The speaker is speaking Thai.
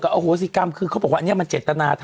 รักสิฮะผูกพันกับเขา